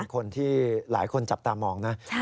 คนที่หลายคนจับตามองนะ